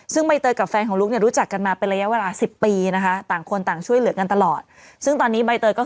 ซึ่งตอนนี้ก็คือตะพมสั้นและ